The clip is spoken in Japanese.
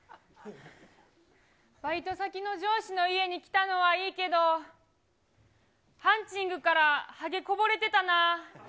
バイト先の上司の家に来たのはいいけど、ハンチングからはげこぼれてたな。